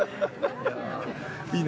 いいね。